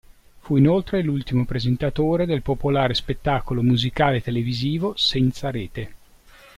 Fu inoltre l'ultimo presentatore del popolare spettacolo musicale televisivo "Senza rete".